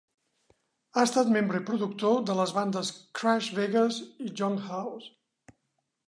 Ha estat membre i productor de les bandes Crash Vegas i Junkhouse.